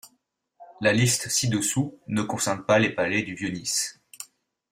La liste ci-dessous ne concerne pas les palais du Vieux-Nice.